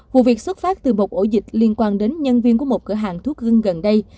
vụ việc xuất phát từ một ổ dịch liên quan đến nhân viên của một cửa hàng thuốc gương gần đây